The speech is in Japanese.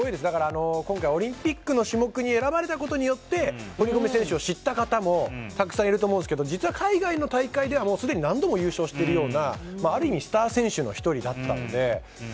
だから今回オリンピックの種目に選ばれたことで堀米選手を知った方もたくさんいると思うんですけど実は海外の大会ではすでに何度も優勝しているようなある意味スター選手の１人だったので。